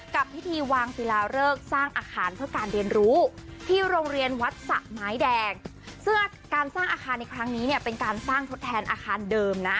กับพิธีวางศิลาเริกสร้างอาคารเพื่อการเรียนรู้ที่โรงเรียนวัดสะไม้แดงเสื้อการสร้างอาคารในครั้งนี้เนี่ยเป็นการสร้างทดแทนอาคารเดิมนะ